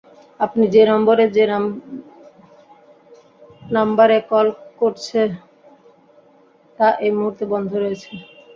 আপনি যে নম্বরে যে নাম্বারে কল করছে তা এই মুহূর্তে বন্ধ রয়েছে।